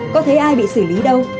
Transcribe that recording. có thấy ai bị xử lý đâu